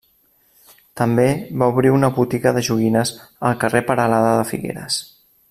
També va obrir una botiga de joguines al carrer Peralada de Figueres.